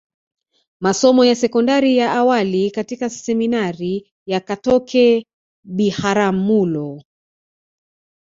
Masomo ya sekondari ya awali katika Seminari ya Katoke Biharamulo